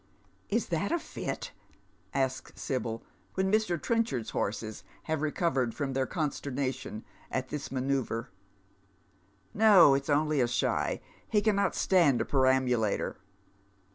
" Is that a fit ?" asks Sibyl, when ^Ir. Trenchard's horses have recovered from their consternation at this manceuvre. " No, it's only a shy. He cannot stand a perambulator."